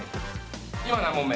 今何問目？